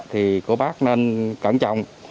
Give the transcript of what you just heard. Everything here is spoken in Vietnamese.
thì của bác nên cẩn trọng